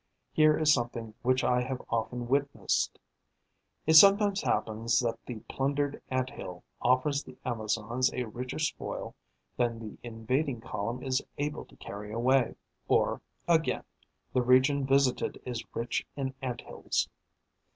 Here is something which I have often witnessed. It sometimes happens that the plundered Ant hill offers the Amazons a richer spoil than the invading column is able to carry away. Or, again, the region visited is rich in Ant hills.